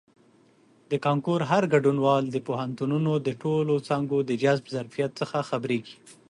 د کانکور هر ګډونوال د پوهنتونونو د ټولو څانګو د جذب ظرفیت څخه خبریږي.